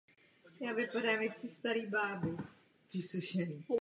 A také samotné jméno skupiny je inspirováno touto významnou osobností.